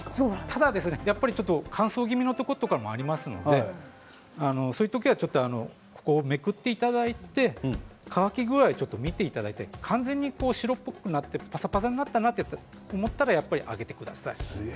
ただ、乾燥気味のところもありますのでそういう時はめくっていただいて乾き具合を見て完全に白っぽくなってぱさぱさになったなと思ったらやっぱりあげてください。